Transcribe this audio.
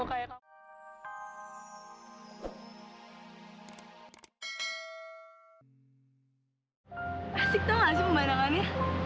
asik tau gak sih pembayangannya